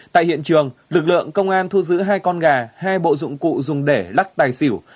tại hiện trường lực lượng công an thu giữ hai con gà hai bộ dụng cụ dùng để lắc tài xỉu